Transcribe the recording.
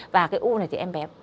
và cái u này thì em bé